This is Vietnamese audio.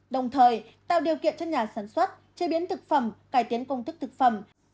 đồng thời tạo điều kiện cho nhà sản xuất chế biến thực phẩm cải tiến công thức thực phẩm